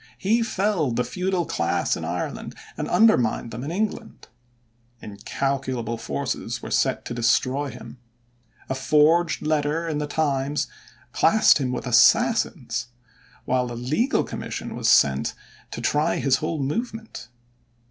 He felled the feudal class in Ireland and undermined them in England. Incalculable forces were set to destroy him. A forged letter in the Times classed him with assassins, while an legal Commission was sent to try his whole movement.